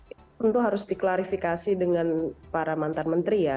itu harus diklarifikasi dengan para mantan menteri ya